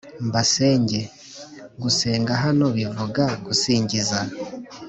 mbasenge: gusenga hano bivuga gusingiza